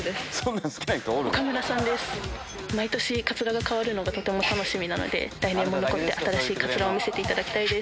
毎年、かつらが変わるのがとても楽しみなので、来年も残って、新しいかつらを見せていただきたいです。